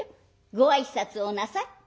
ご挨拶をなさい」。